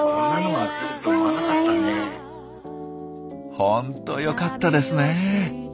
ホントよかったですね。